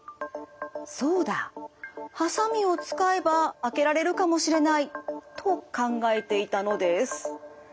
そうだハサミを使えば開けられるかもしれないと考えていたのです。